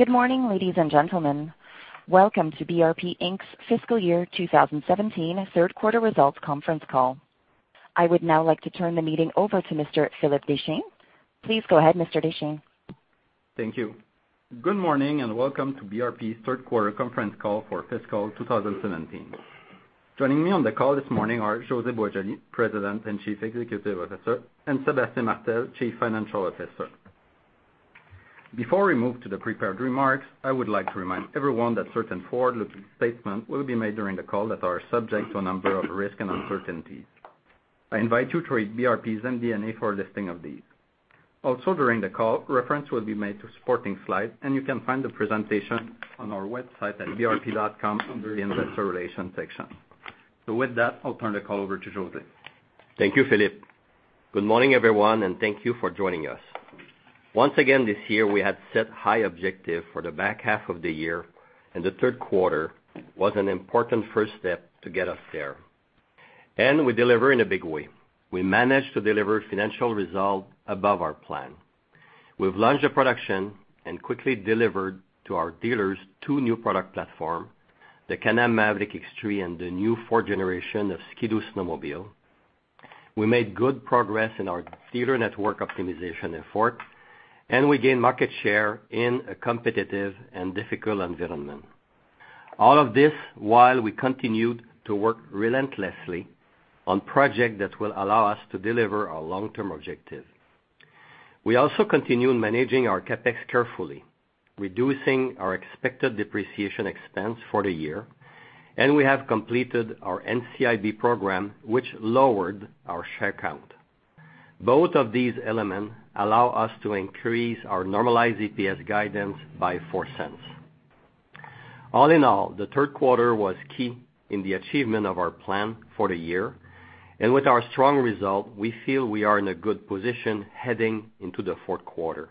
Good morning, ladies and gentlemen. Welcome to BRP Inc.'s fiscal year 2017 third quarter results conference call. I would now like to turn the meeting over to Mr. Philippe Deschênes. Please go ahead, Mr. Deschênes. Thank you. Good morning, welcome to BRP's third quarter conference call for fiscal 2017. Joining me on the call this morning are José Boisjoli, President and Chief Executive Officer, and Sébastien Martel, Chief Financial Officer. Before we move to the prepared remarks, I would like to remind everyone that certain forward-looking statements will be made during the call that are subject to a number of risks and uncertainties. I invite you to read BRP's MD&A for a listing of these. Also during the call, reference will be made to supporting slides, and you can find the presentation on our website at brp.com under the investor relation section. With that, I'll turn the call over to José. Thank you, Philippe. Good morning, everyone, thank you for joining us. Once again this year, we had set high objectives for the back half of the year, the third quarter was an important first step to get us there. We deliver in a big way. We managed to deliver financial results above our plan. We've launched the production and quickly delivered to our dealers two new product platforms, the Can-Am Maverick X3 and the new fourth generation of Ski-Doo snowmobile. We made good progress in our dealer network optimization effort, we gained market share in a competitive and difficult environment. All of this while we continued to work relentlessly on projects that will allow us to deliver our long-term objective. We also continued managing our CapEx carefully, reducing our expected depreciation expense for the year, we have completed our NCIB program, which lowered our share count. Both of these elements allow us to increase our normalized EPS guidance by 0.04. All in all, the third quarter was key in the achievement of our plan for the year. With our strong results, we feel we are in a good position heading into the fourth quarter.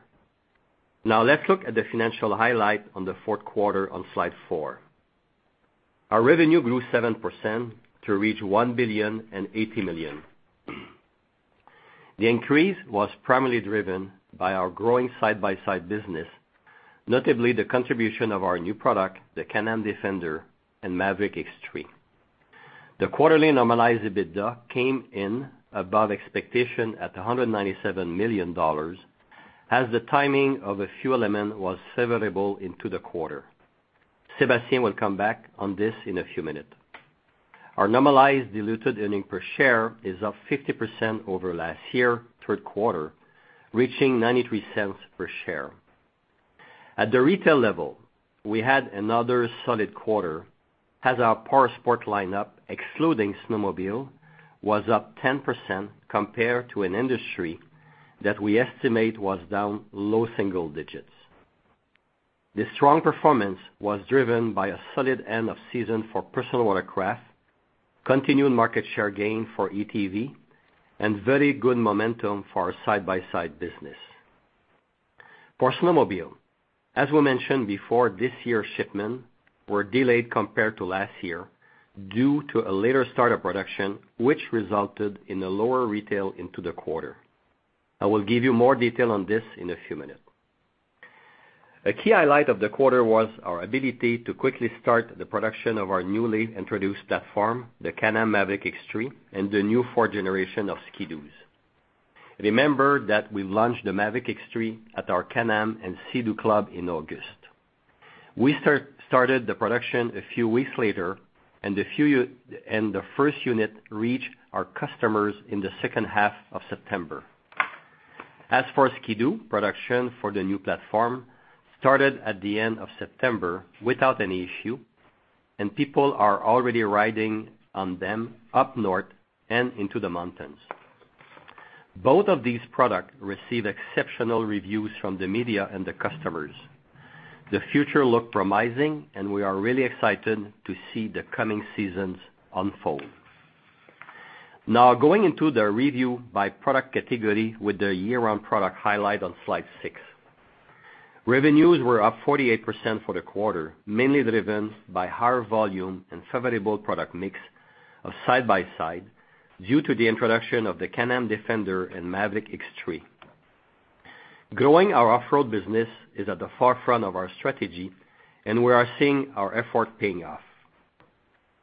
Now let's look at the financial highlights on the fourth quarter on slide four. Our revenue grew 7% to reach 1 billion and 80 million. The increase was primarily driven by our growing side-by-side business, notably the contribution of our new product, the Can-Am Defender and Maverick X3. The quarterly normalized EBITDA came in above expectation at 197 million dollars as the timing of a few elements were favorable into the quarter. Sébastien will come back on this in a few minute. Our normalized diluted earnings per share is up 50% over last year, third quarter, reaching 0.93 per share. At the retail level, we had another solid quarter as our powersport lineup, excluding snowmobile, was up 10% compared to an industry that we estimate was down low single digits. This strong performance was driven by a solid end of season for personal watercraft, continued market share gain for ATV, and very good momentum for our side-by-side business. For snowmobile, as we mentioned before, this year's shipment were delayed compared to last year due to a later start of production, which resulted in a lower retail into the quarter. I will give you more detail on this in a few minute. A key highlight of the quarter was our ability to quickly start the production of our newly introduced platform, the Can-Am Maverick X3 and the new fourth generation of Ski-Doos. Remember that we launched the Maverick X3 at our Can-Am and Sea-Doo club in August. We started the production a few weeks later, and the first unit reach our customers in the second half of September. As for Ski-Doo production for the new platform, started at the end of September without any issue, and people are already riding on them up north and into the mountains. Both of these product receive exceptional reviews from the media and the customers. The future look promising, and we are really excited to see the coming seasons unfold. Now going into the review by product category with the year-round product highlight on slide six. Revenues were up 48% for the quarter, mainly driven by higher volume and favorable product mix of side-by-side due to the introduction of the Can-Am Defender and Maverick X3. Growing our off-road business is at the forefront of our strategy, and we are seeing our effort paying off.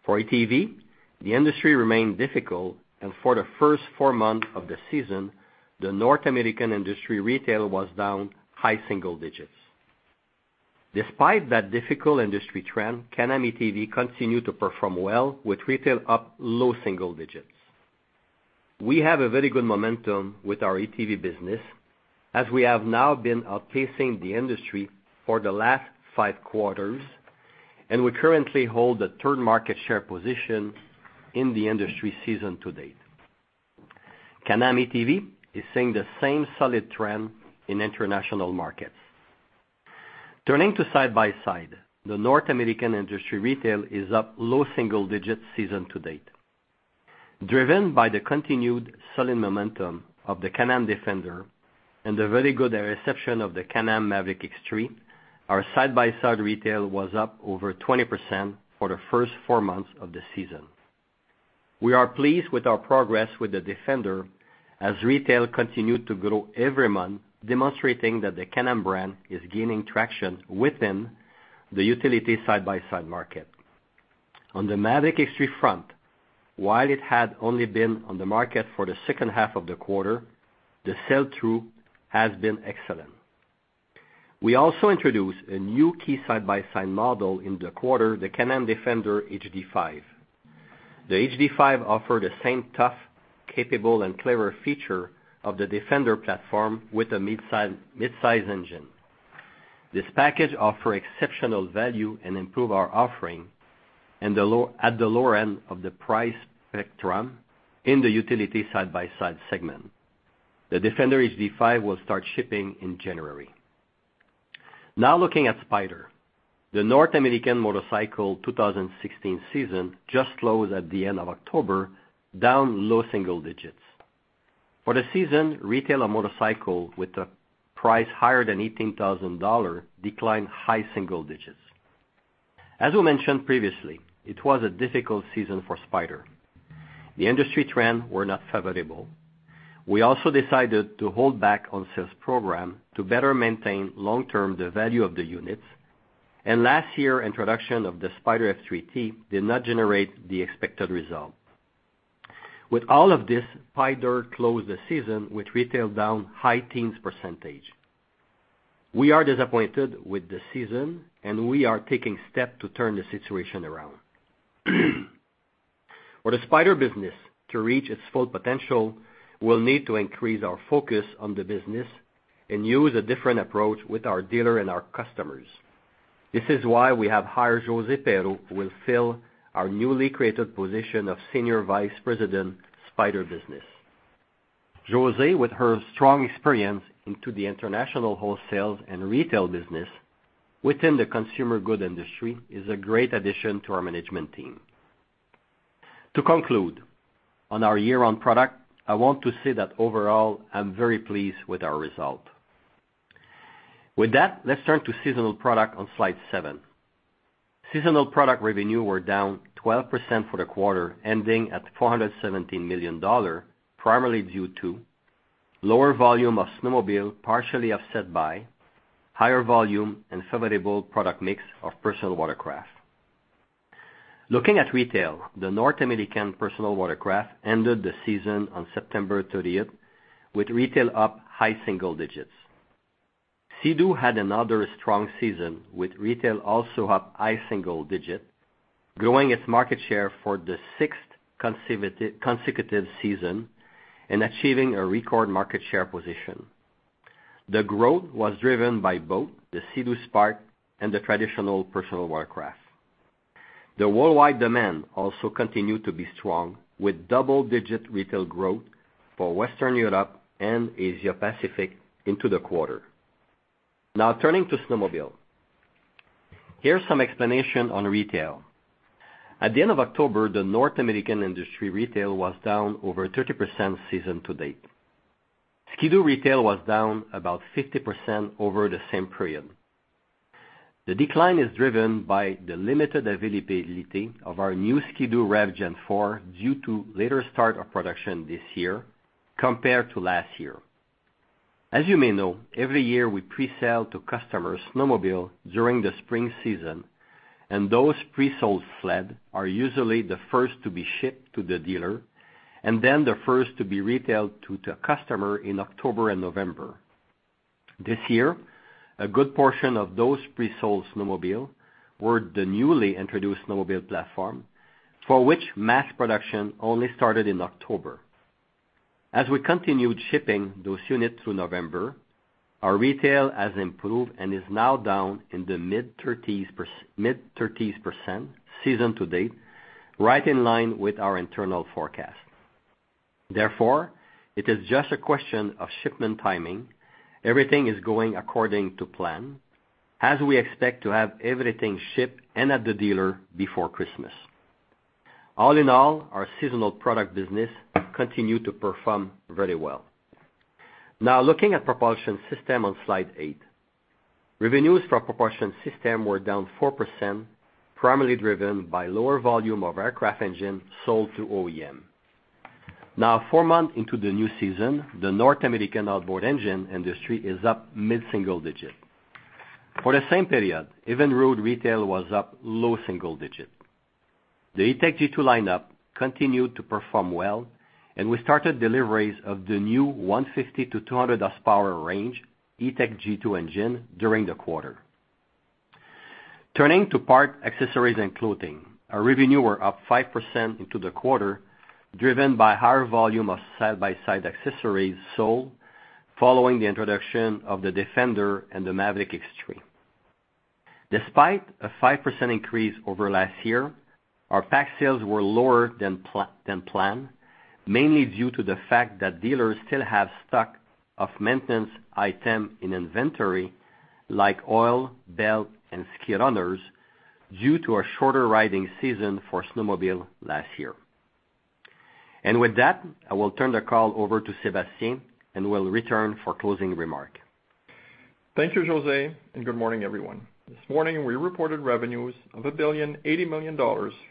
For ATV, the industry remained difficult, and for the first four months of the season, the North American industry retail was down high single digits. Despite that difficult industry trend, Can-Am ATV continued to perform well with retail up low single digits. We have a very good momentum with our ATV business as we have now been outpacing the industry for the last five quarters, and we currently hold the third market share position in the industry season to date. Can-Am ATV is seeing the same solid trend in international markets. Turning to side-by-side, the North American industry retail is up low single digits season to date. Driven by the continued solid momentum of the Can-Am Defender and the very good reception of the Can-Am Maverick X3, our side-by-side retail was up over 20% for the first four months of the season. We are pleased with our progress with the Defender as retail continued to grow every month, demonstrating that the Can-Am brand is gaining traction within the utility side-by-side market. On the Maverick X3 front, while it had only been on the market for the second half of the quarter, the sell-through has been excellent. We also introduced a new key side-by-side model in the quarter, the Can-Am Defender HD5. The HD5 offer the same tough, capable, and clever feature of the Defender platform with a mid-size engine. This package offer exceptional value and improve our offering at the low end of the price spectrum in the utility side-by-side segment. The Defender HD5 will start shipping in January. Now looking at Spyder. The North American motorcycle 2016 season just closed at the end of October, down low single digits. For the season, retailer motorcycle with a price higher than 18,000 dollar declined high single digits. As we mentioned previously, it was a difficult season for Spyder. The industry trends were not favorable. We also decided to hold back on sales program to better maintain long-term the value of the units, and last year, introduction of the Spyder F3-T did not generate the expected result. With all of this, Spyder closed the season with retail down high teens percentage. We are disappointed with the season, and we are taking steps to turn the situation around. For the Spyder business to reach its full potential, we'll need to increase our focus on the business and use a different approach with our dealer and our customers. This is why we have hired Josée Perreault, who will fill our newly created position of Senior Vice President, Spyder Business. Josée, with her strong experience into the international wholesale and retail business within the consumer goods industry, is a great addition to our management team. To conclude, on our year-round product, I want to say that overall, I'm very pleased with our result. With that, let's turn to seasonal product on slide seven. Seasonal product revenue were down 12% for the quarter ending at 417 million dollar, primarily due to lower volume of snowmobile, partially offset by higher volume and favorable product mix of personal watercraft. Looking at retail, the North American personal watercraft ended the season on September 30th, with retail up high single digits. Sea-Doo had another strong season, with retail also up high single digit, growing its market share for the sixth consecutive season and achieving a record market share position. The growth was driven by both the Sea-Doo Spark and the traditional personal watercraft. The worldwide demand also continued to be strong, with double-digit retail growth for Western Europe and Asia Pacific into the quarter. Now turning to snowmobile. Here's some explanation on retail. At the end of October, the North American industry retail was down over 30% season to date. Ski-Doo retail was down about 50% over the same period. The decline is driven by the limited availability of our new Ski-Doo REV Gen4 due to later start of production this year compared to last year. As you may know, every year we pre-sell to customers snowmobile during the spring season, and those pre-sold sled are usually the first to be shipped to the dealer and then the first to be retailed to the customer in October and November. This year, a good portion of those pre-sold snowmobile were the newly introduced snowmobile platform, for which mass production only started in October. As we continued shipping those units through November, our retail has improved and is now down in the mid 30s% season to date, right in line with our internal forecast. Therefore, it is just a question of shipment timing. Everything is going according to plan as we expect to have everything shipped and at the dealer before Christmas. All in all, our seasonal product business continued to perform very well. Now looking at propulsion system on slide eight. Revenues for our propulsion system were down 4%, primarily driven by lower volume of aircraft engine sold to OEM. Four months into the new season, the North American outboard engine industry is up mid-single digit. For the same period, Evinrude retail was up low single digit. The E-TEC G2 lineup continued to perform well, and we started deliveries of the new 150-200 horsepower range E-TEC G2 engine during the quarter. Turning to Parts, Accessories & Clothing. Our revenue were up 5% into the quarter, driven by higher volume of side-by-side accessories sold following the introduction of the Defender and the Maverick X3. Despite a 5% increase over last year, our PAC sales were lower than planned, mainly due to the fact that dealers still have stock of maintenance item in inventory like oil, belt, and ski runners due to a shorter riding season for snowmobile last year. With that, I will turn the call over to Sébastien and will return for closing remark. Thank you, José, good morning, everyone. This morning, we reported revenues of 1.08 billion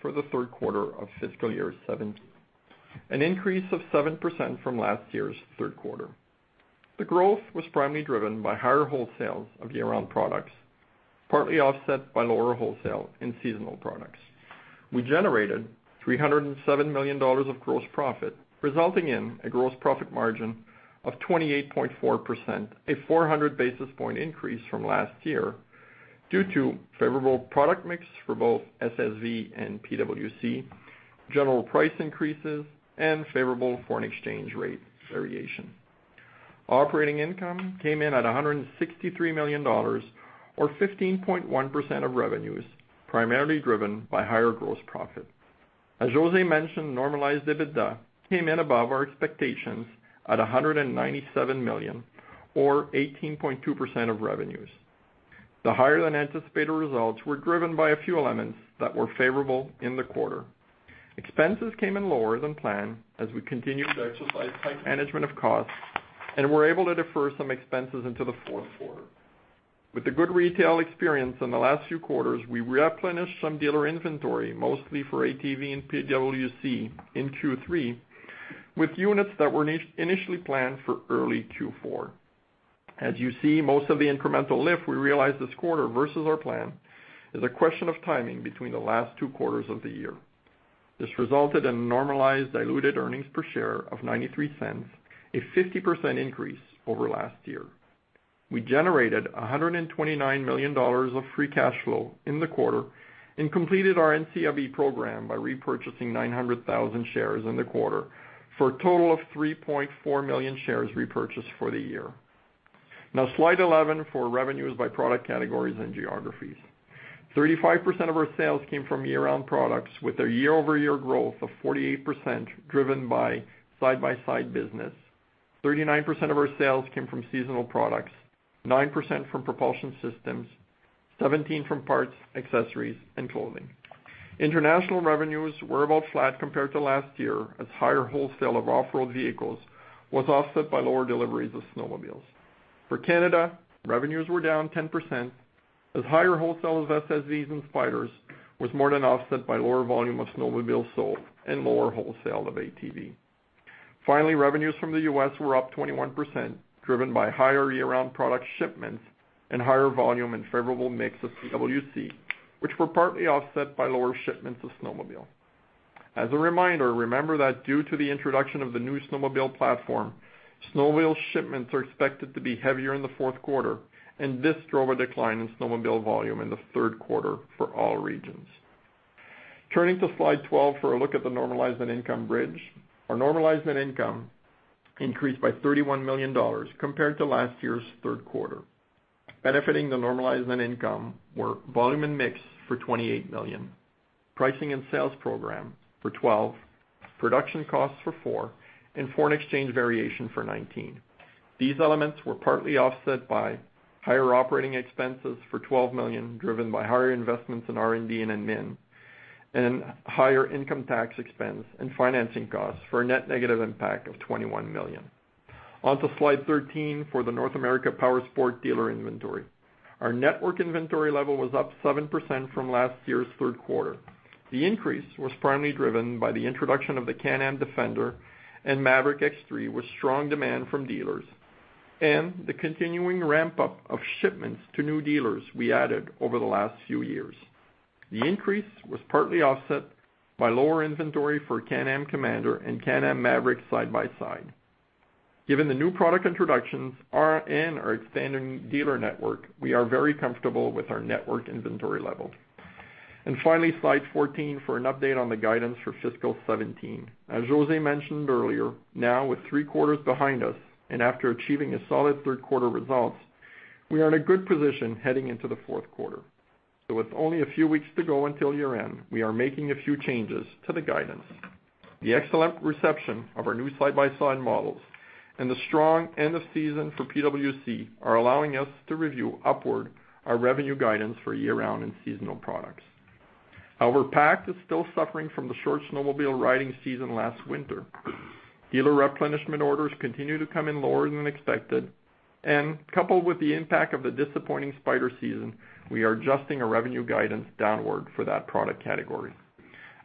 for the third quarter of fiscal year 2017, an increase of 7% from last year's third quarter. The growth was primarily driven by higher wholesales of year-round products, partly offset by lower wholesale in seasonal products. We generated 307 million dollars of gross profit, resulting in a gross profit margin of 28.4%, a 400 basis point increase from last year due to favorable product mix for both SSV and PWC, general price increases, and favorable foreign exchange rate variation. Operating income came in at 163 million dollars or 15.1% of revenues, primarily driven by higher gross profit. As José mentioned, normalized EBITDA came in above our expectations at 197 million or 18.2% of revenues. The higher than anticipated results were driven by a few elements that were favorable in the quarter. Expenses came in lower than planned as we continued to exercise tight management of costs and were able to defer some expenses into the fourth quarter. With the good retail experience in the last few quarters, we replenished some dealer inventory, mostly for ATV and PWC in Q3, with units that were initially planned for early Q4. As you see, most of the incremental lift we realized this quarter versus our plan is a question of timing between the last two quarters of the year. This resulted in normalized diluted earnings per share of 0.93, a 50% increase over last year. We generated 129 million dollars of free cash flow in the quarter and completed our NCIB program by repurchasing 900,000 shares in the quarter for a total of 3.4 million shares repurchased for the year. Now, slide 11 for revenues by product categories and geographies. 35% of our sales came from year-round products with a year-over-year growth of 48% driven by side-by-side business. 39% of our sales came from seasonal products, 9% from propulsion systems, 17% from Parts, Accessories & Clothing. International revenues were about flat compared to last year, as higher wholesale of off-road vehicles was offset by lower deliveries of snowmobiles. For Canada, revenues were down 10%, as higher wholesale of SSVs and Spyders was more than offset by lower volume of snowmobiles sold and lower wholesale of ATV. Finally, revenues from the U.S. were up 21%, driven by higher year-round product shipments and higher volume and favorable mix of PWC, which were partly offset by lower shipments of snowmobile. As a reminder, remember that due to the introduction of the new snowmobile platform, snowmobile shipments are expected to be heavier in the fourth quarter, and this drove a decline in snowmobile volume in the third quarter for all regions. Turning to slide 12 for a look at the normalized net income bridge. Our normalized net income increased by 31 million dollars compared to last year's third quarter. Benefiting the normalized net income were volume and mix for 28 million, pricing and sales program for 12 million, production costs for 4 million, and foreign exchange variation for 19 million. These elements were partly offset by higher operating expenses for 12 million, driven by higher investments in R&D and admin, and higher income tax expense and financing costs for a net negative impact of 21 million. On to slide 13 for the North America powersports dealer inventory. Our network inventory level was up 7% from last year's third quarter. The increase was primarily driven by the introduction of the Can-Am Defender and Maverick X3 with strong demand from dealers, and the continuing ramp-up of shipments to new dealers we added over the last few years. The increase was partly offset by lower inventory for Can-Am Commander and Can-Am Maverick side-by-side. Given the new product introductions and our expanding dealer network, we are very comfortable with our network inventory level. Finally, slide 14 for an update on the guidance for fiscal 2017. As José mentioned earlier, now with three quarters behind us and after achieving a solid third quarter results, we are in a good position heading into the fourth quarter. With only a few weeks to go until year-end, we are making a few changes to the guidance. The excellent reception of our new side-by-side models and the strong end of season for PWC are allowing us to review upward our revenue guidance for year-round and seasonal products. Our PA&C is still suffering from the short snowmobile riding season last winter. Dealer replenishment orders continue to come in lower than expected, and coupled with the impact of the disappointing Spyder season, we are adjusting our revenue guidance downward for that product category.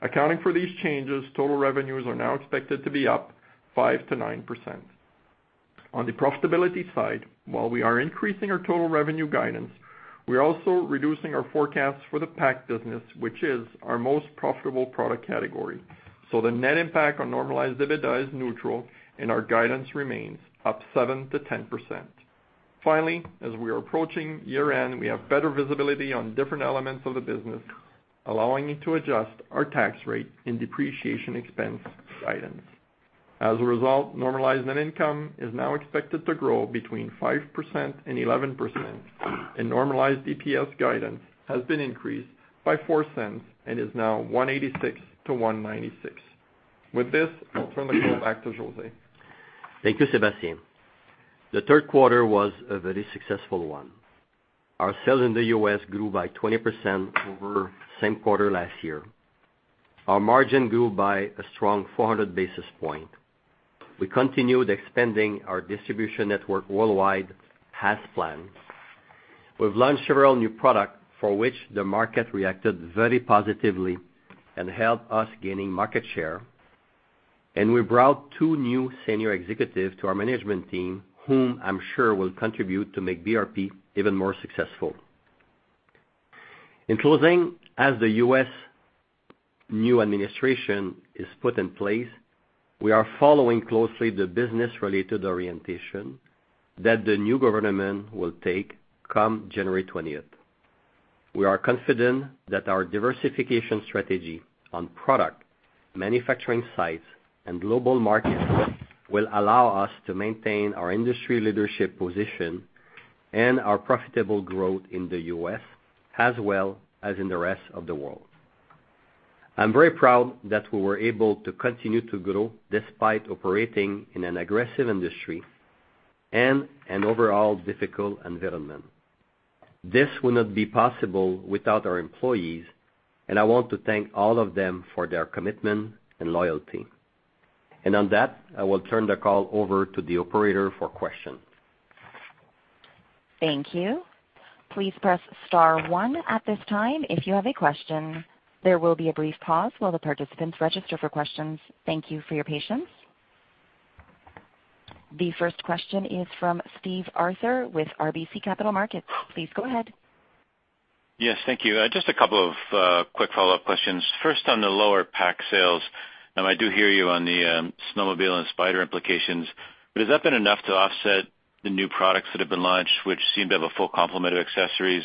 Accounting for these changes, total revenues are now expected to be up 5%-9%. On the profitability side, while we are increasing our total revenue guidance, we are also reducing our forecast for the PA&C business, which is our most profitable product category. The net impact on normalized EBITDA is neutral and our guidance remains up 7%-10%. As we are approaching year-end, we have better visibility on different elements of the business, allowing you to adjust our tax rate and depreciation expense guidance. As a result, normalized net income is now expected to grow between 5% and 11%, and normalized EPS guidance has been increased by 0.04 and is now 1.86 to 1.96. With this, I'll turn the call back to José. Thank you, Sébastien. The third quarter was a very successful one. Our sales in the U.S. grew by 20% over the same quarter last year. Our margin grew by a strong 400 basis point. We continued expanding our distribution network worldwide as planned. We've launched several new product for which the market reacted very positively and helped us gaining market share. We brought two new senior executives to our management team, whom I'm sure will contribute to make BRP even more successful. In closing, as the U.S. new administration is put in place, we are following closely the business-related orientation that the new government will take come January 20th. We are confident that our diversification strategy on product, manufacturing sites, and global markets will allow us to maintain our industry leadership position and our profitable growth in the U.S., as well as in the rest of the world. I'm very proud that we were able to continue to grow despite operating in an aggressive industry and an overall difficult environment. This would not be possible without our employees, and I want to thank all of them for their commitment and loyalty. On that, I will turn the call over to the operator for question. Thank you. Please press star one at this time if you have a question. There will be a brief pause while the participants register for questions. Thank you for your patience. The first question is from Steve Arthur with RBC Capital Markets. Please go ahead. Yes, thank you. Just a couple of quick follow-up questions. First, on the lower PAC sales. I do hear you on the snowmobile and Spyder implications, has that been enough to offset the new products that have been launched, which seem to have a full complement of accessories?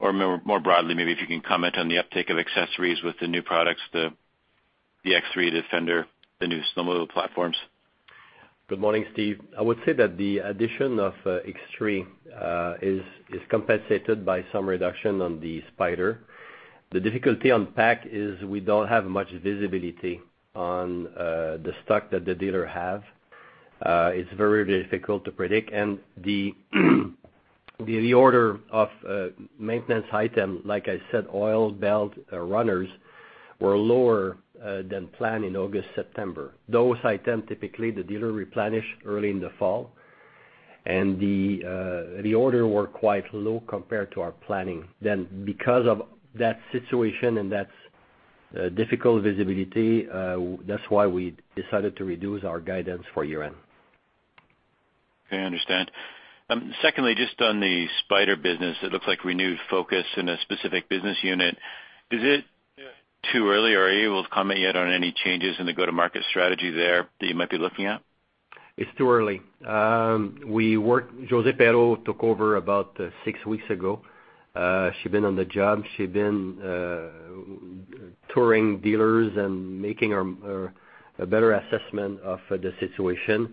More broadly, maybe if you can comment on the uptake of accessories with the new products, the X3, the Defender, the new snowmobile platforms. Good morning, Steve. I would say that the addition of X3 is compensated by some reduction on the Spyder. The difficulty on PAC is we don't have much visibility on the stock that the dealer have. It's very difficult to predict, the reorder of maintenance item, like I said, oil, belt, runners, were lower than planned in August, September. Those item, typically, the dealer replenish early in the fall. The reorder were quite low compared to our planning. Because of that situation and that difficult visibility, that's why we decided to reduce our guidance for year-end. Okay, I understand. Secondly, just on the Spyder business, it looks like renewed focus in a specific business unit. Is it too early, or are you able to comment yet on any changes in the go-to-market strategy there that you might be looking at? It's too early. Josée Perreault took over about six weeks ago. She's been on the job. She's been touring dealers and making a better assessment of the situation,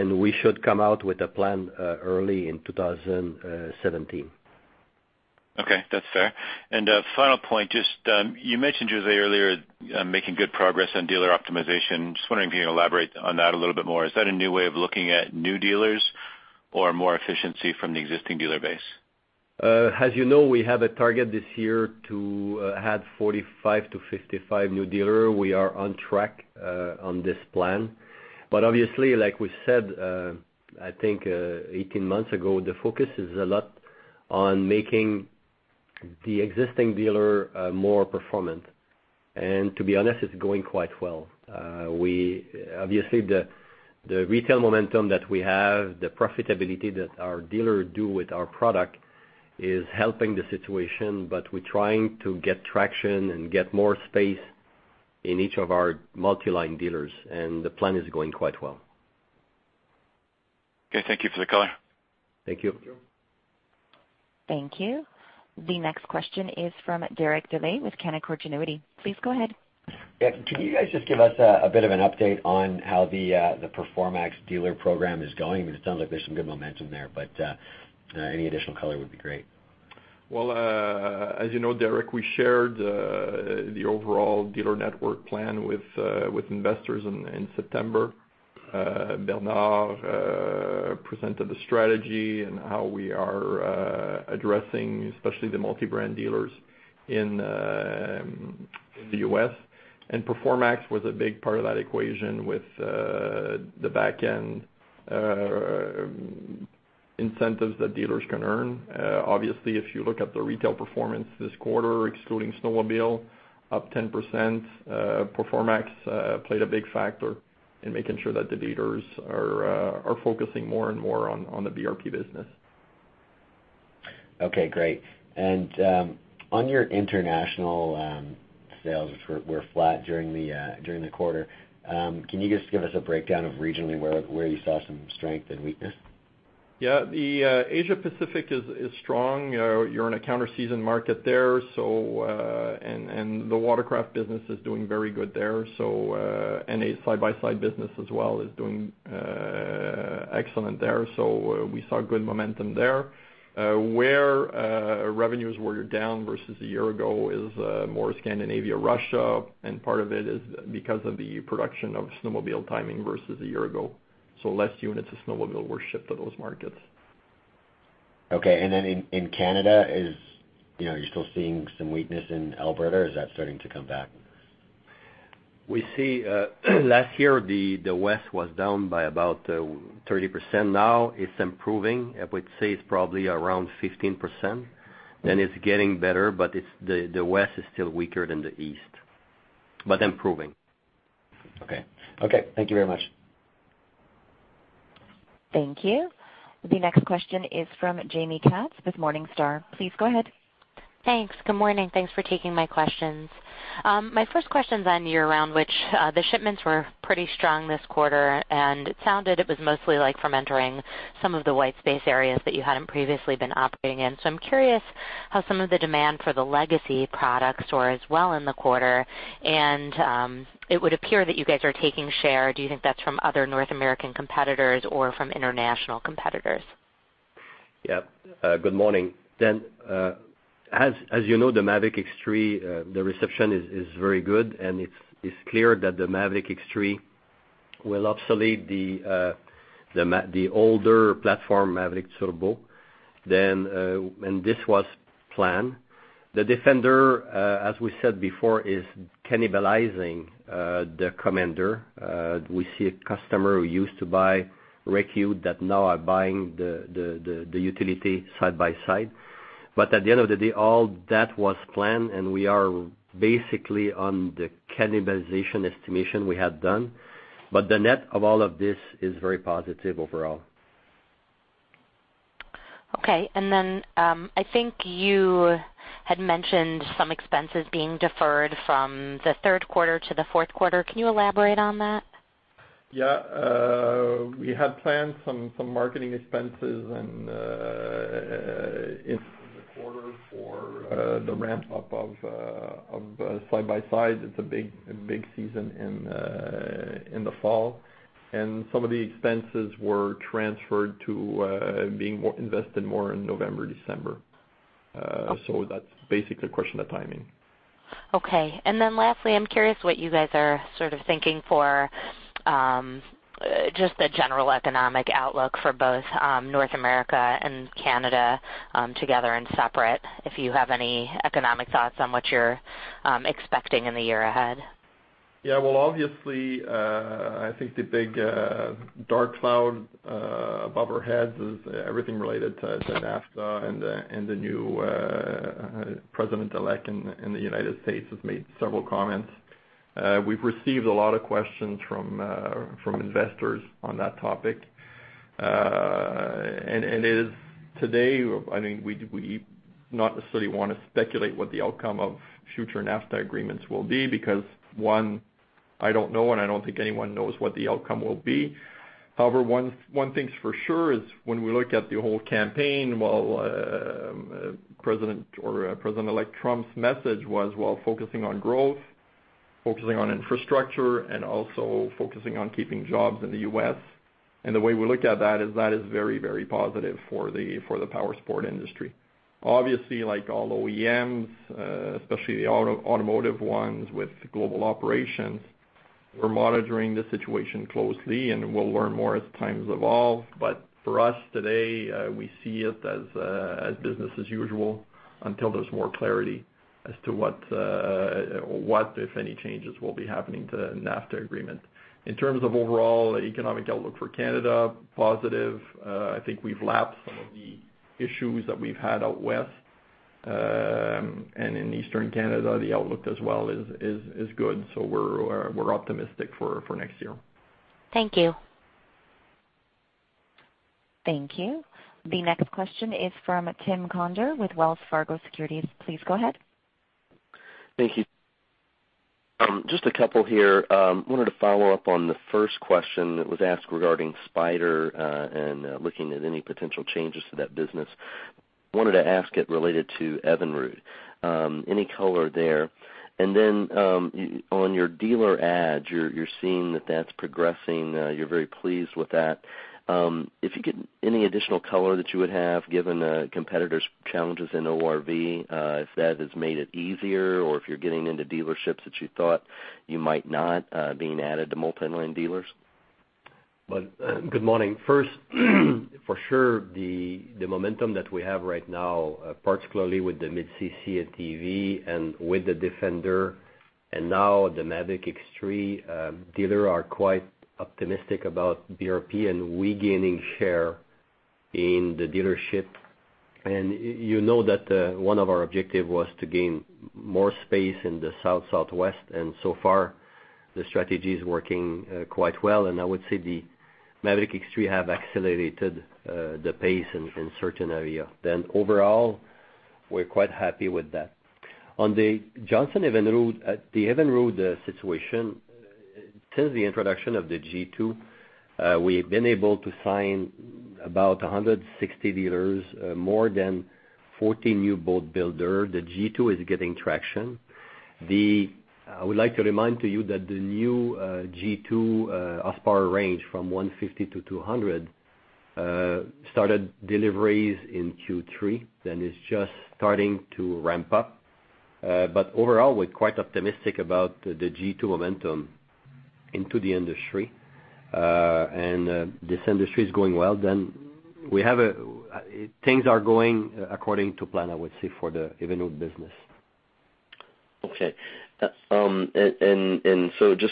we should come out with a plan early in 2017. Okay, that's fair. Final point, just you mentioned, Josée, earlier, making good progress on dealer optimization. Just wondering if you can elaborate on that a little bit more. Is that a new way of looking at new dealers or more efficiency from the existing dealer base? As you know, we have a target this year to add 45-55 new dealer. We are on track on this plan. Obviously, like we said, I think 18 months ago, the focus is a lot on making the existing dealer more performant. To be honest, it's going quite well. Obviously, the retail momentum that we have, the profitability that our dealer do with our product is helping the situation, but we're trying to get traction and get more space in each of our multi-line dealers, and the plan is going quite well. Okay, thank you for the color. Thank you. Thank you. The next question is from Derek Dley with Canaccord Genuity. Please go ahead. Yeah. Can you guys just give us a bit of an update on how the Performax dealer program is going? It sounds like there's some good momentum there. Any additional color would be great. Well, as you know, Derek, we shared the overall dealer network plan with investors in September. Bernard presented the strategy and how we are addressing, especially the multi-brand dealers in the U.S. Performax was a big part of that equation with the back end incentives that dealers can earn. Obviously, if you look at the retail performance this quarter, excluding snowmobile, up 10%, Performax played a big factor in making sure that the dealers are focusing more and more on the BRP business. Okay, great. On your international sales, which were flat during the quarter, can you just give us a breakdown of regionally where you saw some strength and weakness? Yeah. The Asia Pacific is strong. You're in a counter-season market there, and the watercraft business is doing very good there. The side-by-side business as well is doing excellent there. We saw good momentum there. Where revenues were down versus a year ago is more Scandinavia, Russia, and part of it is because of the production of snowmobile timing versus a year ago. Less units of snowmobile were shipped to those markets. Okay. In Canada, are you still seeing some weakness in Alberta, or is that starting to come back? We see last year the West was down by about 30%. Now it's improving. I would say it's probably around 15%, then it's getting better. The West is still weaker than the East. Improving. Okay. Thank you very much. Thank you. The next question is from Jaime Katz with Morningstar. Please go ahead. Thanks. Good morning. Thanks for taking my questions. My first question is on year-round, which the shipments were pretty strong this quarter. I'm curious how some of the demand for the legacy products were as well in the quarter. It would appear that you guys are taking share. Do you think that's from other North American competitors or from international competitors? Yeah. Good morning. As you know, the Maverick X3, the reception is very good. It's clear that the Maverick X3 will obsolete the older platform, Maverick Turbo. This was planned. The Defender, as we said before, is cannibalizing the Commander. We see a customer who used to buy Rec-Ute that now are buying the utility side by side. At the end of the day, all that was planned. We are basically on the cannibalization estimation we had done. The net of all of this is very positive overall. Okay. I think you had mentioned some expenses being deferred from the third quarter to the fourth quarter. Can you elaborate on that? We had planned some marketing expenses in the quarter for the ramp-up of side-by-side. It's a big season in the fall. Some of the expenses were transferred to being invested more in November, December. That's basically a question of timing. Okay. Lastly, I'm curious what you guys are sort of thinking for just the general economic outlook for both North America and Canada together and separate, if you have any economic thoughts on what you're expecting in the year ahead. Yeah. Well, obviously, I think the big dark cloud above our heads is everything related to NAFTA and the new president-elect in the United States has made several comments. We've received a lot of questions from investors on that topic. It is today, we not necessarily want to speculate what the outcome of future NAFTA agreements will be, because one, I don't know, and I don't think anyone knows what the outcome will be. However, one thing's for sure is when we look at the whole campaign, while president or president-elect Trump's message was while focusing on growth, focusing on infrastructure, and also focusing on keeping jobs in the U.S. The way we look at that is that is very, very positive for the power sport industry. Obviously, like all OEMs, especially the automotive ones with global operations, we're monitoring the situation closely, and we'll learn more as times evolve. For us today, we see it as business as usual until there's more clarity as to what if any changes will be happening to the NAFTA agreement. In terms of overall economic outlook for Canada, positive. I think we've lapsed some of the issues that we've had out west. In Eastern Canada, the outlook as well is good. We're optimistic for next year. Thank you. Thank you. The next question is from Tim Conder with Wells Fargo Securities. Please go ahead. Thank you. Just a couple here. Wanted to follow up on the first question that was asked regarding Spyder, and looking at any potential changes to that business. Wanted to ask it related to Evinrude. Any color there? On your dealer ads, you're seeing that that's progressing, you're very pleased with that. If you get any additional color that you would have given competitors' challenges in ORV, if that has made it easier or if you're getting into dealerships that you thought you might not, being added to multi-line dealers. Good morning. First for sure, the momentum that we have right now, particularly with the mid-cc ATV and with the Defender, and now the Maverick X3 dealer are quite optimistic about BRP and we gaining share in the dealership. You know that one of our objective was to gain more space in the south, southwest, and so far the strategy is working quite well. I would say the Maverick X3 have accelerated the pace in certain area. Overall, we're quite happy with that. On the Johnson Evinrude, the Evinrude situation, since the introduction of the G2, we've been able to sign about 160 dealers, more than 40 new boat builder. The G2 is getting traction. I would like to remind to you that the new G2 horsepower range from 150 to 200, started deliveries in Q3, then it's just starting to ramp up. Overall, we're quite optimistic about the G2 momentum into the industry. This industry is going well, then things are going according to plan, I would say, for the Evinrude business. Okay. Just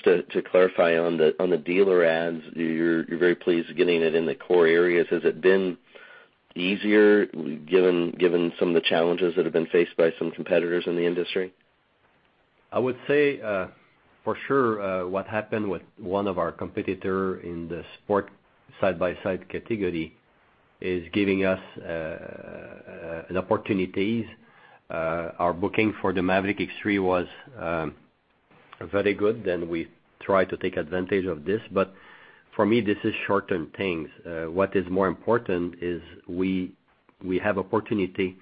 to clarify on the dealer adds, you're very pleased getting it in the core areas. Has it been easier given some of the challenges that have been faced by some competitors in the industry? I would say, for sure, what happened with one of our competitor in the sport side-by-side category is giving us opportunities. Our booking for the Maverick X3 was very good. We try to take advantage of this. For me, this is short-term things. What is more important is we have an opportunity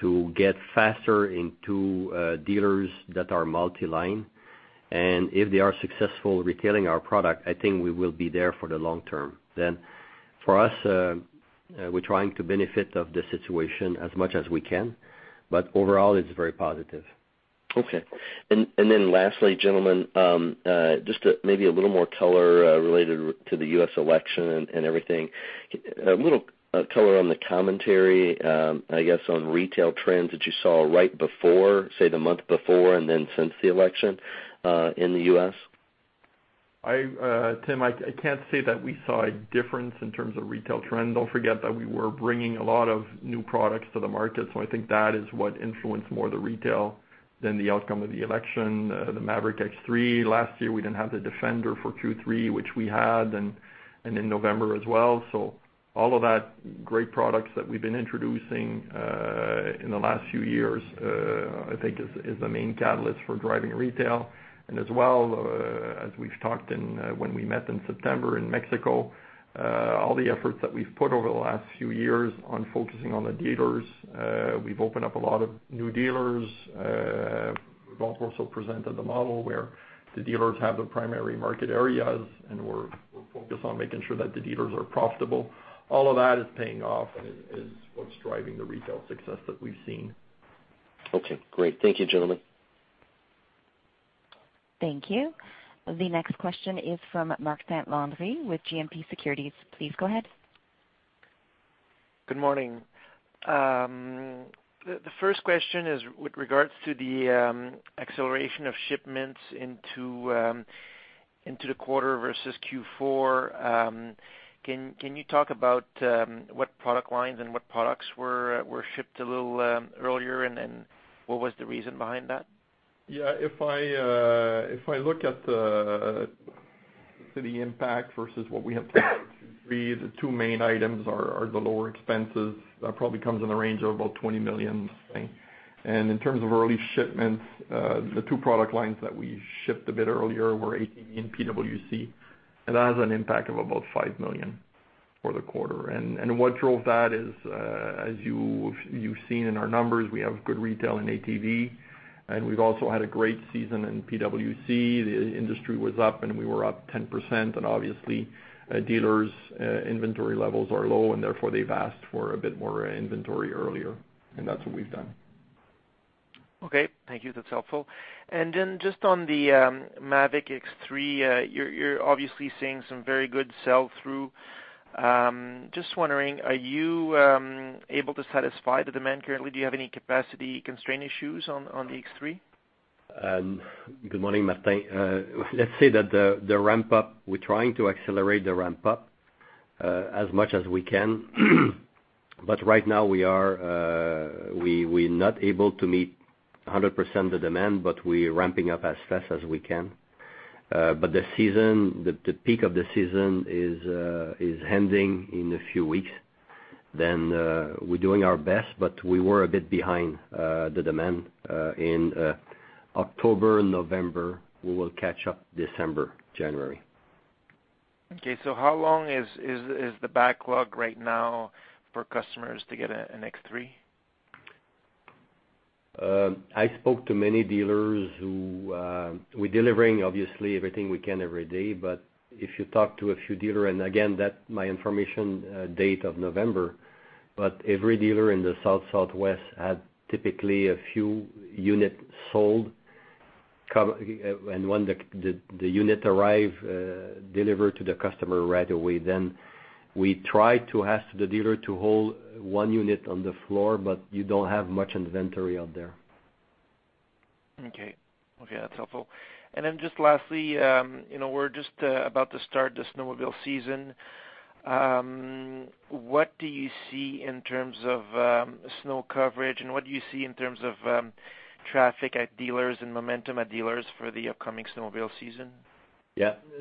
to get faster into dealers that are multi-line. If they are successful retailing our product, I think we will be there for the long term. For us, we're trying to benefit of the situation as much as we can, overall it's very positive. Okay. Lastly, gentlemen, just maybe a little more color related to the U.S. election and everything. A little color on the commentary, I guess, on retail trends that you saw right before, say, the month before, since the election in the U.S. Tim, I can't say that we saw a difference in terms of retail trend. Don't forget that we were bringing a lot of new products to the market, so I think that is what influenced more the retail than the outcome of the election. The Maverick X3 last year, we didn't have the Defender for Q3, which we had, and in November as well. All of that great products that we've been introducing in the last few years, I think is the main catalyst for driving retail. As well, as we've talked when we met in September in Mexico, all the efforts that we've put over the last few years on focusing on the dealers. We've opened up a lot of new dealers. We've also presented the model where the dealers have the primary market areas, and we're focused on making sure that the dealers are profitable. All of that is paying off and is what's driving the retail success that we've seen. Okay, great. Thank you, gentlemen. Thank you. The next question is from Martin Landry with GMP Securities. Please go ahead. Good morning. The first question is with regards to the acceleration of shipments into the quarter versus Q4. Can you talk about what product lines and what products were shipped a little earlier, and what was the reason behind that? Yeah. If I look at the impact versus what we have today, the two main items are the lower expenses. That probably comes in the range of about 20 million. In terms of early shipments, the two product lines that we shipped a bit earlier were ATV and PWC. It has an impact of about 5 million for the quarter. What drove that is, as you've seen in our numbers, we have good retail in ATV, and we've also had a great season in PWC. The industry was up and we were up 10%. Obviously, dealers' inventory levels are low and therefore they've asked for a bit more inventory earlier. That's what we've done. Okay. Thank you. That's helpful. Just on the Maverick X3, you're obviously seeing some very good sell through. Just wondering, are you able to satisfy the demand currently? Do you have any capacity constraint issues on the X3? Good morning, Martin. Let's say that the ramp up, we're trying to accelerate the ramp up as much as we can. Right now we're not able to meet 100% the demand, but we're ramping up as fast as we can. The peak of the season is ending in a few weeks. We're doing our best, but we were a bit behind the demand in October, November. We will catch up December, January. How long is the backlog right now for customers to get an X3? I spoke to many dealers. We're delivering, obviously, everything we can every day. If you talk to a few dealers, and again, that my information date of November, every dealer in the South, Southwest had typically a few units sold. When the unit arrive, deliver to the customer right away. We try to ask the dealer to hold one unit on the floor, but you don't have much inventory out there. That's helpful. Just lastly, we're just about to start the snowmobile season. What do you see in terms of snow coverage and what do you see in terms of traffic at dealers and momentum at dealers for the upcoming snowmobile season?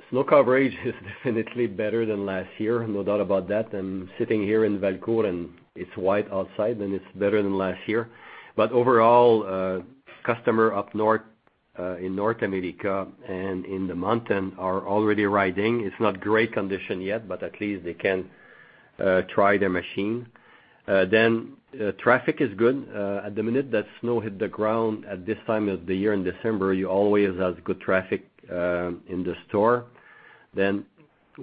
Snow coverage is definitely better than last year, no doubt about that. I'm sitting here in Valcourt and it's white outside, and it's better than last year. Overall, customers up north in North America and in the mountains are already riding. It's not great condition yet, but at least they can try their machine. Traffic is good at the minute. That snow hit the ground at this time of the year in December, you always have good traffic in the store.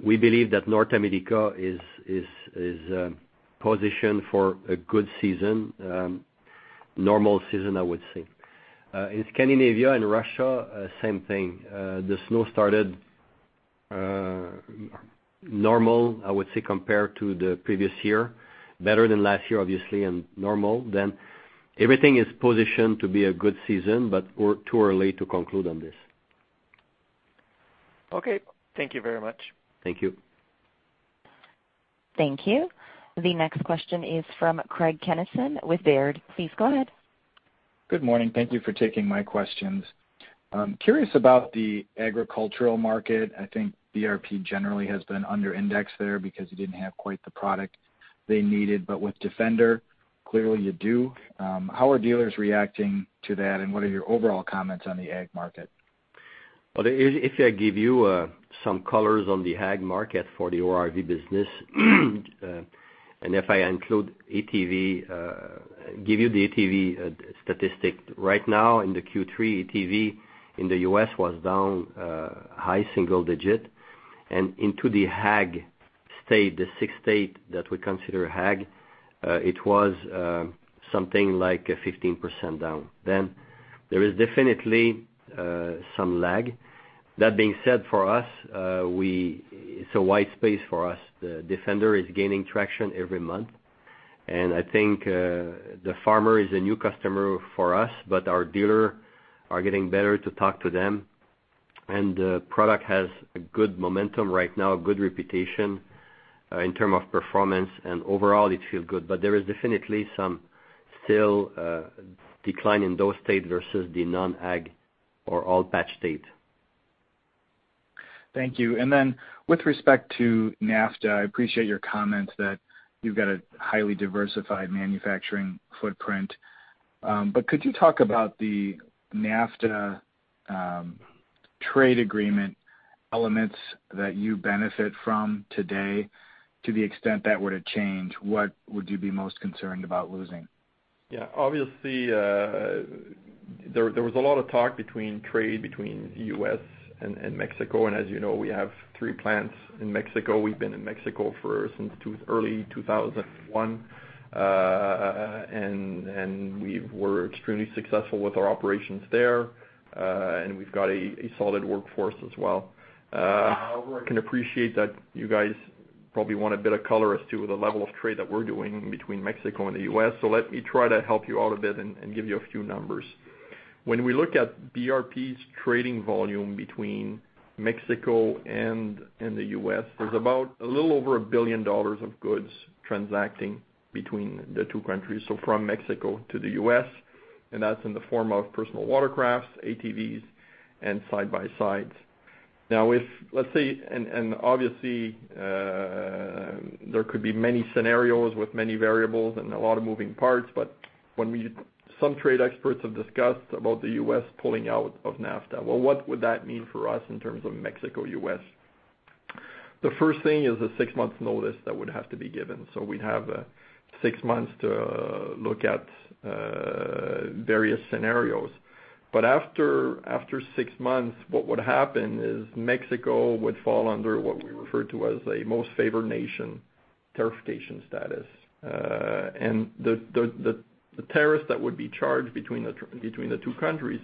We believe that North America is positioned for a good season. Normal season, I would say. In Scandinavia and Russia, same thing. The snow started normal, I would say, compared to the previous year. Better than last year, obviously, and normal then. Everything is positioned to be a good season, but we're too early to conclude on this. Okay. Thank you very much. Thank you. Thank you. The next question is from Craig Kennison with Baird. Please go ahead. Good morning. Thank you for taking my questions. I'm curious about the agricultural market. I think BRP generally has been under index there because you didn't have quite the product they needed. With Defender, clearly you do. How are dealers reacting to that, and what are your overall comments on the ag market? If I give you some color on the ag market for the ORV business. If I give you the ATV statistic right now in the Q3, ATV in the U.S. was down high single-digit and into the ag state, the sixth state that we consider ag, it was something like 15% down. There is definitely some lag. That being said, for us, it's a wide space for us. The Defender is gaining traction every month, and I think the farmer is a new customer for us, but our dealers are getting better to talk to them. The product has a good momentum right now, good reputation, in terms of performance, and overall it feels good. There is definitely some still decline in those states versus the non-ag or oil patch state. Thank you. With respect to NAFTA, I appreciate your comments that you've got a highly diversified manufacturing footprint. Could you talk about the NAFTA trade agreement elements that you benefit from today to the extent that were to change, what would you be most concerned about losing? Obviously, there was a lot of talk between trade between the U.S. and Mexico. As you know, we have three plants in Mexico. We've been in Mexico since early 2001. We were extremely successful with our operations there. We've got a solid workforce as well. However, I can appreciate that you guys probably want a bit of color as to the level of trade that we're doing between Mexico and the U.S., so let me try to help you out a bit and give you a few numbers. When we look at BRP's trading volume between Mexico and the U.S., there's about a little over 1 billion dollars of goods transacting between the two countries. From Mexico to the U.S., and that's in the form of personal watercrafts, ATVs, and side-by-sides. Obviously, there could be many scenarios with many variables and a lot of moving parts. Some trade experts have discussed about the U.S. pulling out of NAFTA. What would that mean for us in terms of Mexico, U.S.? The first thing is a 6-month notice that would have to be given. We'd have 6 months to look at various scenarios. After 6 months, what would happen is Mexico would fall under what we refer to as a most favored nation tariffication status. The tariffs that would be charged between the two countries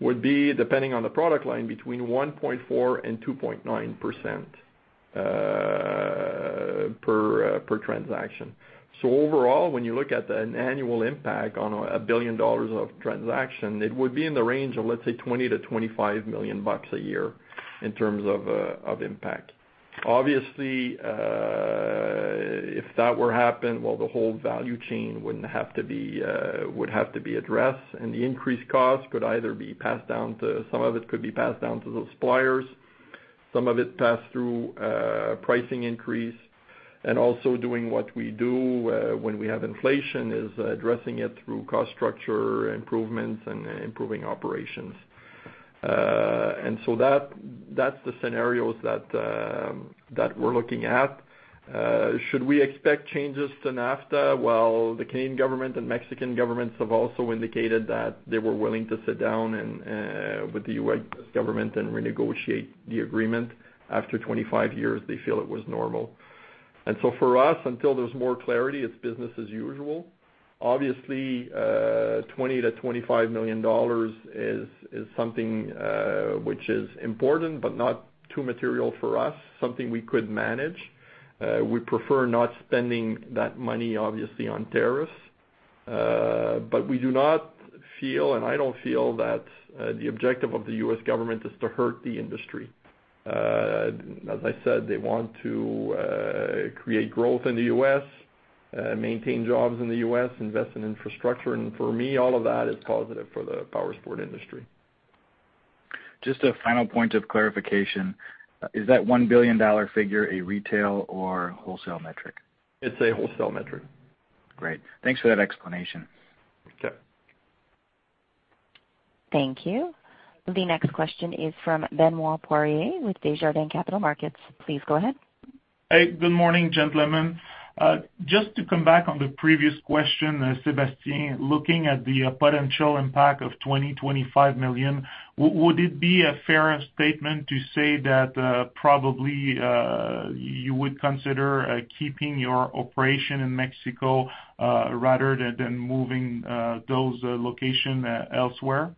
would be, depending on the product line, between 1.4% and 2.9% per transaction. Overall, when you look at an annual impact on 1 billion dollars of transaction, it would be in the range of, let's say, 20 million-25 million bucks a year in terms of impact. Obviously, if that were happen, the whole value chain would have to be addressed, and the increased cost could either be Some of it could be passed down to the suppliers, some of it passed through pricing increase and also doing what we do when we have inflation is addressing it through cost structure improvements and improving operations. That's the scenarios that we're looking at. Should we expect changes to NAFTA? The Canadian government and Mexican governments have also indicated that they were willing to sit down with the U.S. government and renegotiate the agreement. After 25 years, they feel it was normal. For us, until there's more clarity, it's business as usual. Obviously, 20 million-25 million dollars is something which is important but not too material for us, something we could manage. We prefer not spending that money, obviously, on tariffs. We do not feel, and I don't feel that the objective of the U.S. government is to hurt the industry. As I said, they want to create growth in the U.S., maintain jobs in the U.S., invest in infrastructure, and for me, all of that is positive for the powersports industry. Just a final point of clarification. Is that 1 billion dollar figure a retail or wholesale metric? It's a wholesale metric. Great. Thanks for that explanation. Okay. Thank you. The next question is from Benoit Poirier with Desjardins Capital Markets. Please go ahead. Hey, good morning, gentlemen. Just to come back on the previous question, Sébastien, looking at the potential impact of 20 million-25 million, would it be a fair statement to say that probably you would consider keeping your operation in Mexico rather than moving those location elsewhere?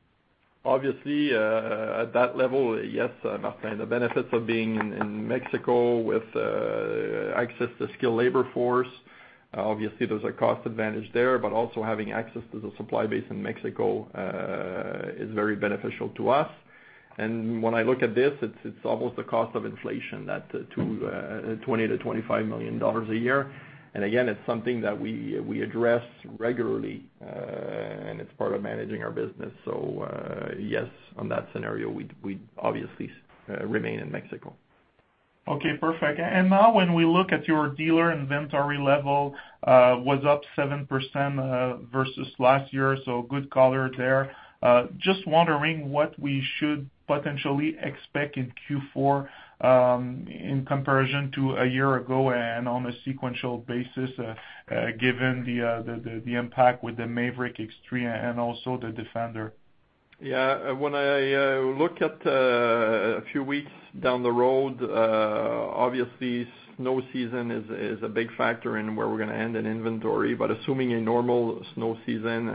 Obviously, at that level, yes, Benoit, the benefits of being in Mexico with access to skilled labor force, obviously there's a cost advantage there, but also having access to the supply base in Mexico is very beneficial to us. When I look at this, it's almost a cost of inflation, that 20 million-25 million dollars a year. Again, it's something that we address regularly, and it's part of managing our business. Yes, on that scenario, we'd obviously remain in Mexico. Okay, perfect. Now when we look at your dealer inventory level, was up 7% versus last year, so good color there. Just wondering what we should potentially expect in Q4, in comparison to a year ago and on a sequential basis, given the impact with the Maverick X3 and also the Defender. Yeah. When I look at a few weeks down the road, obviously, snow season is a big factor in where we're going to end in inventory. Assuming a normal snow season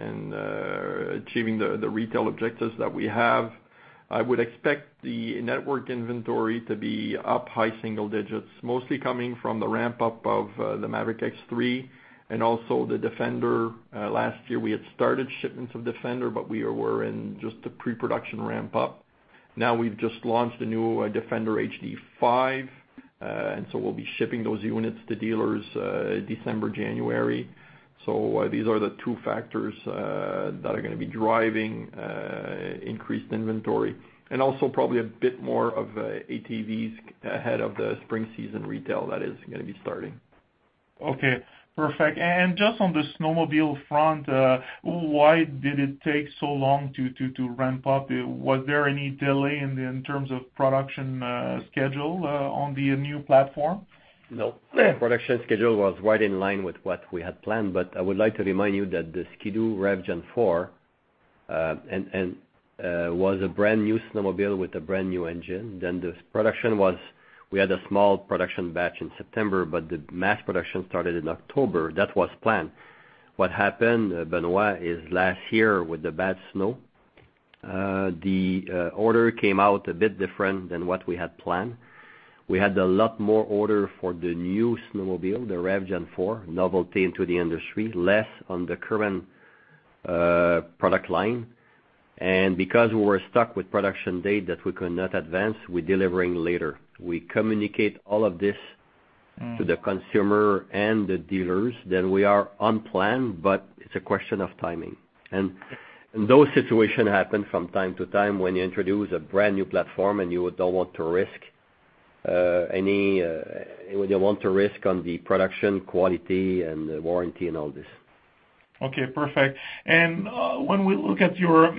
and achieving the retail objectives that we have, I would expect the network inventory to be up high single digits, mostly coming from the ramp-up of the Maverick X3 and also the Defender. Last year, we had started shipments of Defender, but we were in just the pre-production ramp-up. We've just launched the new Defender HD5, we'll be shipping those units to dealers, December, January. These are the two factors that are going to be driving increased inventory. Also probably a bit more of ATVs ahead of the spring season retail that is going to be starting. Okay, perfect. Just on the snowmobile front, why did it take so long to ramp up? Was there any delay in terms of production schedule on the new platform? No. Production schedule was right in line with what we had planned, but I would like to remind you that the Ski-Doo REV Gen4 was a brand-new snowmobile with a brand-new engine. We had a small production batch in September, but the mass production started in October. That was planned. What happened, Benoit, is last year with the bad snow, the order came out a bit different than what we had planned. We had a lot more order for the new snowmobile, the REV Gen4, novelty into the industry, less on the current product line. Because we were stuck with production date that we could not advance, we delivering later. We communicate all of this to the consumer and the dealers that we are on plan, but it's a question of timing. those situation happen from time to time when you introduce a brand-new platform and you don't want to risk on the production quality and the warranty and all this. Okay, perfect. When we look at your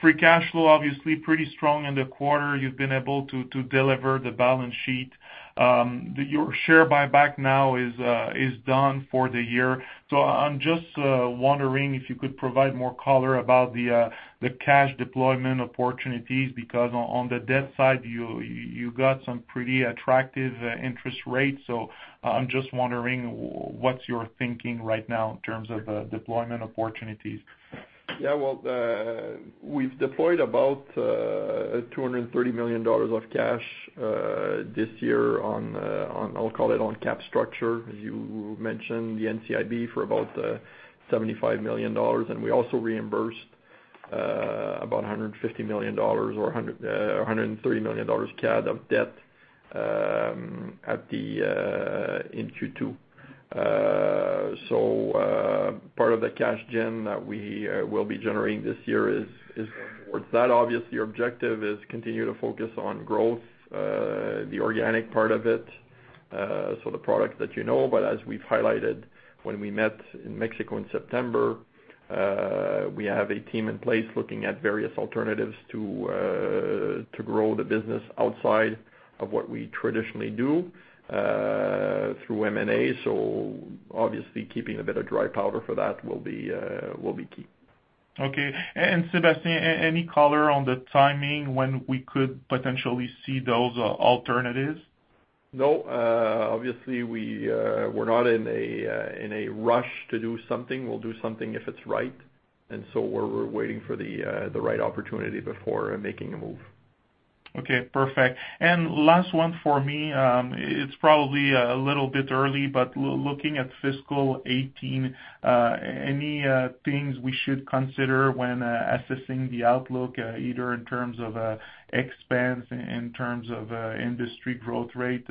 free cash flow, obviously pretty strong in the quarter, you've been able to delever the balance sheet. Your share buyback now is done for the year. I'm just wondering if you could provide more color about the cash deployment opportunities, because on the debt side, you got some pretty attractive interest rates. I'm just wondering, what's your thinking right now in terms of deployment opportunities? Yeah. Well, we've deployed about 230 million dollars of cash this year on, I'll call it, on cap structure. As you mentioned, the NCIB for about 75 million dollars, we also reimbursed about 150 million dollars or 130 million CAD of debt in Q2. Part of the cash gen that we will be generating this year is going towards that. Obviously, our objective is continue to focus on growth, the organic part of it. The products that you know, but as we've highlighted when we met in Mexico in September, we have a team in place looking at various alternatives to grow the business outside of what we traditionally do through M&A. Obviously keeping a bit of dry powder for that will be key. Okay. Sébastien, any color on the timing when we could potentially see those alternatives? No. Obviously, we're not in a rush to do something. We'll do something if it's right. We're waiting for the right opportunity before making a move. Okay, perfect. Last one for me. It's probably a little bit early, but looking at fiscal 2018, any things we should consider when assessing the outlook, either in terms of expense, in terms of industry growth rate?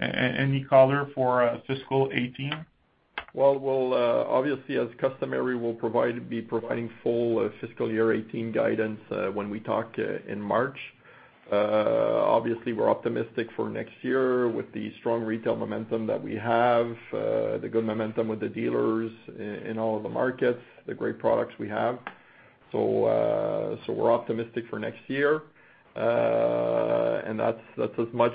Any color for fiscal 2018? Well, obviously, as customary, we'll be providing full fiscal year 2018 guidance when we talk in March. Obviously, we're optimistic for next year with the strong retail momentum that we have, the good momentum with the dealers in all of the markets, the great products we have. We're optimistic for next year. That's as much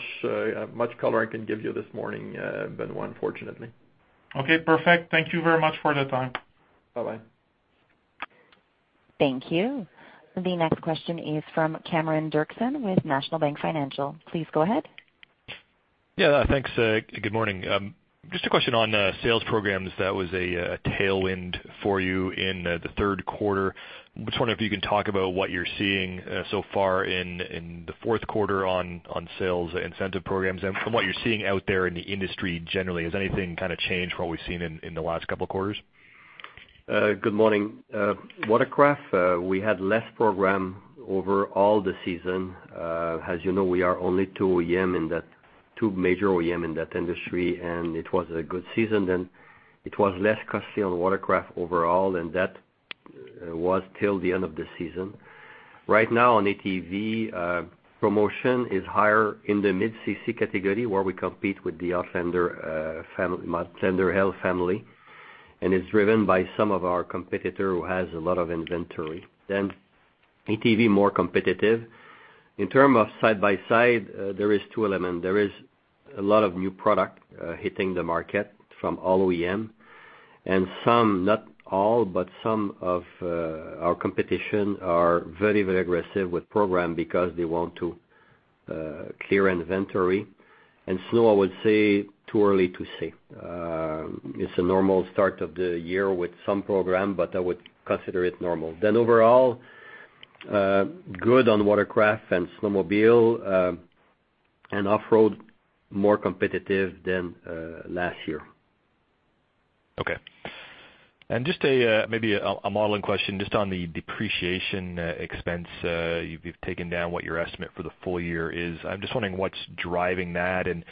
color I can give you this morning, Benoit, unfortunately. Okay, perfect. Thank you very much for the time. Bye-bye. Thank you. The next question is from Cameron Doerksen with National Bank Financial. Please go ahead. Yeah. Thanks. Good morning. Just a question on sales programs that was a tailwind for you in the third quarter. I'm just wondering if you can talk about what you're seeing so far in the fourth quarter on sales incentive programs. From what you're seeing out there in the industry generally, has anything kind of changed from what we've seen in the last couple of quarters? Good morning. Watercraft, we had less program over all the season. As you know, we are only two major OEM in that industry. It was a good season. It was less costly on watercraft overall. That was till the end of the season. Right now on ATV, promotion is higher in the mid-cc category, where we compete with the Outlander L family. It's driven by some of our competitor who has a lot of inventory. ATV, more competitive. In term of side-by-side, there is two element. There is a lot of new product hitting the market from all OEM. Some, not all, but some of our competition are very aggressive with program because they want to clear inventory. Snow, I would say too early to say. It's a normal start of the year with some program, but I would consider it normal. Overall, good on watercraft and snowmobile, and off-road, more competitive than last year. Okay. Just maybe a modeling question, just on the depreciation expense. You've taken down what your estimate for the full year is. I'm just wondering what's driving that and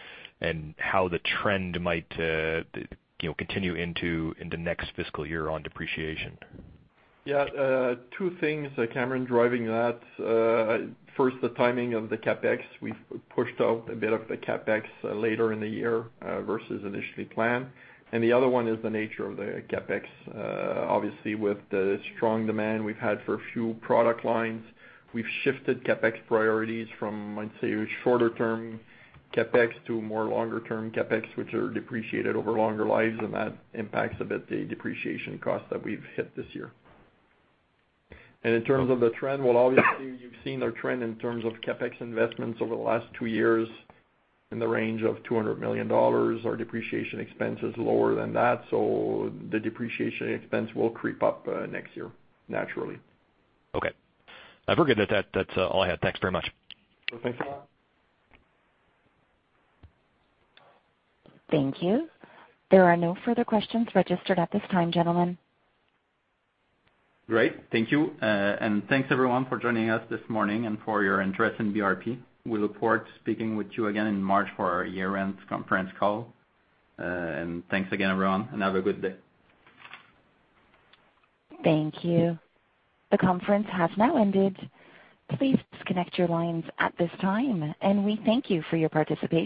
how the trend might continue into next fiscal year on depreciation. Yeah. Two things, Cameron, driving that. First, the timing of the CapEx. We've pushed out a bit of the CapEx later in the year versus initially planned. The other one is the nature of the CapEx. Obviously, with the strong demand we've had for a few product lines, we've shifted CapEx priorities from, I'd say, shorter term CapEx to more longer term CapEx, which are depreciated over longer lives, and that impacts a bit the depreciation cost that we've hit this year. In terms of the trend, well, obviously you've seen our trend in terms of CapEx investments over the last two years in the range of 200 million dollars. Our depreciation expense is lower than that, so the depreciation expense will creep up next year, naturally. Okay. Very good. That's all I had. Thanks very much. Thanks a lot. Thank you. There are no further questions registered at this time, gentlemen. Great. Thank you. Thanks, everyone, for joining us this morning and for your interest in BRP. We look forward to speaking with you again in March for our year-end conference call. Thanks again, everyone, and have a good day. Thank you. The conference has now ended. Please disconnect your lines at this time, and we thank you for your participation.